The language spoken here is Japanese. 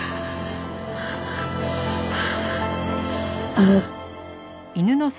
あの。